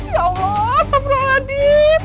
ya allah astagfirullahaladzim